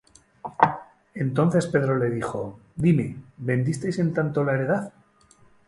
Entonces Pedro le dijo: Dime: ¿vendisteis en tanto la heredad?